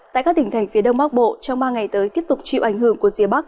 tại các tỉnh thành phía đông bắc bộ trong ba ngày tới tiếp tục chịu ảnh hưởng của rìa bắc